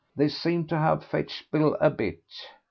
This seemed to have fetched Bill a bit.